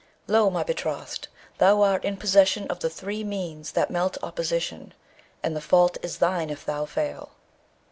Lo, my betrothed, thou art in possession of the three means that melt opposition, and the fault is thine if thou fail.'